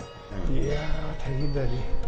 いやー、大変だよね。